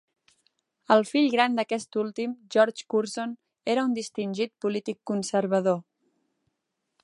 El fill gran d'aquest últim, George Curzon, era un distingit polític conservador.